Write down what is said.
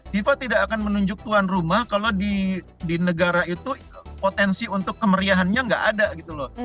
fifa tidak akan menunjuk tuan rumah kalau di negara itu potensi untuk kemeriahannya nggak ada gitu loh